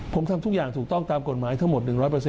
ผมทำทุกอย่างถูกต้องตามกฎหมายทั้งหมด๑๐๐